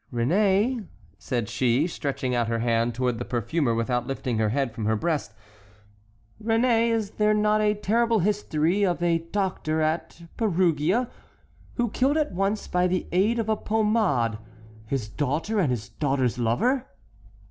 "Réné," said she, stretching out her hand toward the perfumer without lifting her head from her breast, "Réné, is there not a terrible history of a doctor at Perugia, who killed at once, by the aid of a pomade, his daughter and his daughter's lover?"